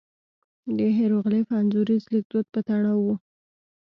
د هېروغلیف انځوریز لیکدود په تړاو وو.